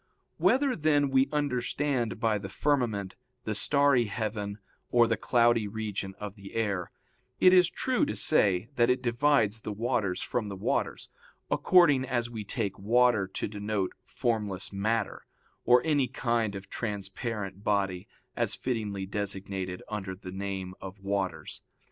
Whether, then, we understand by the firmament the starry heaven, or the cloudy region of the air, it is true to say that it divides the waters from the waters, according as we take water to denote formless matter, or any kind of transparent body, as fittingly designated under the name of waters.